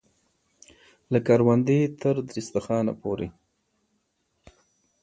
له کروندې تر دسترخانه پورې.